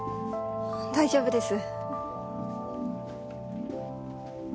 大丈夫です。